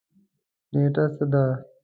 نیټه څه ده؟